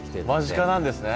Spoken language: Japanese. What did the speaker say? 間近なんですね。